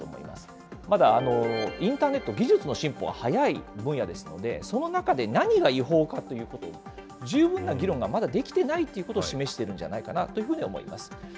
まだインターネット、技術の進歩が早い分野ですので、その中で何が違法かということを十分な議論がまだできてないということを示しているんじゃないかなというふうに思います。